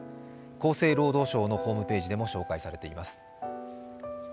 厚生労働省のホームページでも紹介されています。